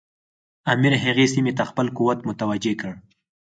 امیر هغې سیمې ته خپل قوت متوجه کړ.